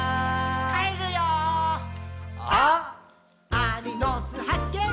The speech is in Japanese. アリの巣はっけん